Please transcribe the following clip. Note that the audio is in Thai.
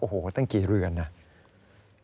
โหตังกี่เรือนน่ะ